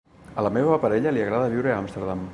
A la meva parella li agrada viure a Amsterdam.